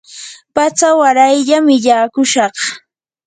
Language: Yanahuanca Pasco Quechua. patsa warayllam illakushaq.